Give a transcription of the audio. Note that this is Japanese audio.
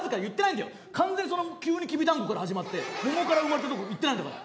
完全にその急にきび団子から始まって桃から生まれたとこ言ってないんだから。